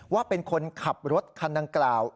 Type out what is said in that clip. ว่าเป็นคนขับรถคันดังกล่าว